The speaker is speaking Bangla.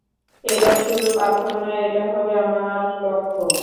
এটা শুধু পাথর নয়, এটা হবে আমার লক্ষ্য।